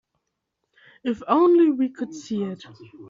If only we could see it.